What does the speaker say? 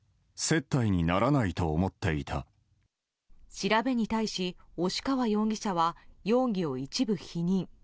調べに対し、押川容疑者は容疑を一部否認。